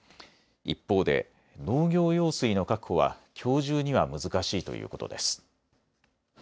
一方で農業用水の確保はきょう中には難しいということです。